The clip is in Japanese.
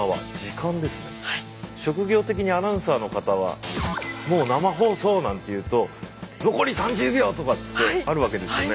職業的にアナウンサーの方はもう生放送なんていうと「残り３０秒」とかってあるわけですよね。